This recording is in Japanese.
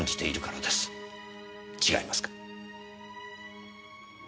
違いますか？